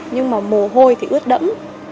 nhưng mà mồ hôi thì ướt đẫm